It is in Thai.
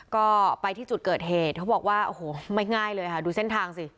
ก็ไปที่จุดเกิดเหตุเขาบอกว่าโอ้โหไม่ง่ายเลยค่ะดูเส้นทางสิ